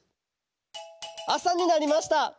あさになりました。